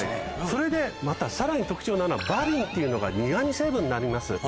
それでまたさらに特徴なのがバリンっていうのが苦味成分になります。